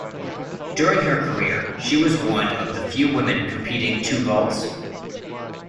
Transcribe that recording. During her career, she was one of the few women competing two vaults.